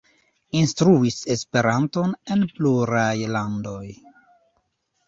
Instruis Esperanton en pluraj landoj.